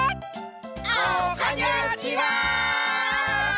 おはにゃちは！